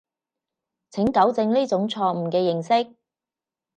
請糾正呢種錯誤嘅認識